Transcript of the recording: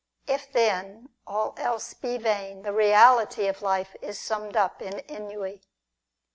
If, then, all else be vain, the reality of life is summed up in ennui.